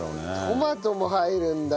トマトも入るんだ。